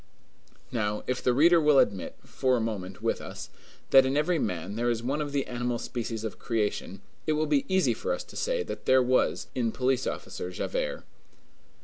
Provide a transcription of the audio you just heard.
Now, if the reader will admit, for a moment, with us, that in every man there is one of the animal species of creation, it will be easy for us to say what there was in Police Officer Javert.